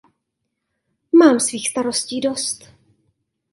Mám svých starostí dost.